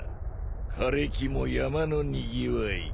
枯れ木も山のにぎわい。